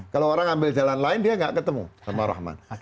kalau orang ambil jalan lain dia nggak ketemu sama rahman